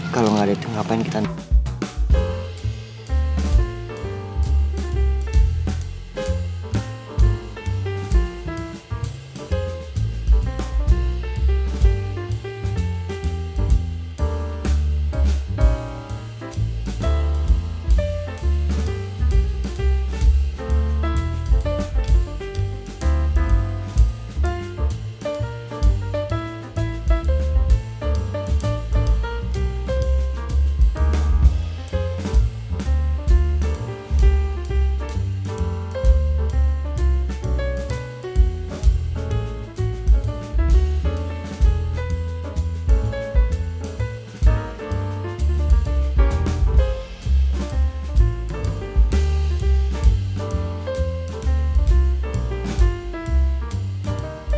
kalau gak ada itu ngapain kita